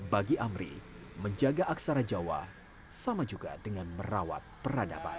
bagi amri menjaga aksara jawa sama juga dengan merawat peradaban